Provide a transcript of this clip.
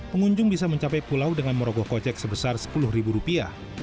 pengunjung bisa mencapai pulau dengan merogoh kocek sebesar sepuluh ribu rupiah